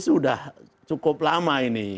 sudah cukup lama ini